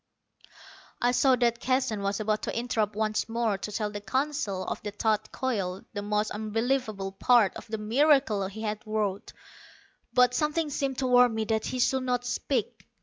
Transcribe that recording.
I saw that Keston was about to interrupt once more, to tell the Council of the thought coil, the most unbelievable part of the miracle he had wrought. But something seemed to warn me that he should not speak.